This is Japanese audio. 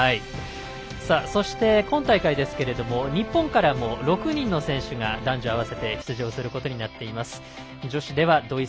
そして、今大会日本からも６人の選手が男女合わせて出場することになっています。